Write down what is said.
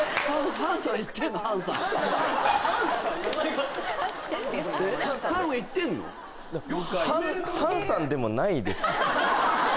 ハンハンさんでもないです